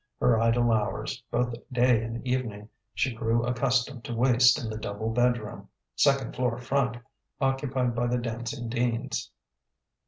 Her idle hours, both day and evening, she grew accustomed to waste in the double bedroom ("second floor front") occupied by the Dancing Deans.